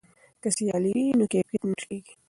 که سیالي وي نو کیفیت نه ټیټیږي.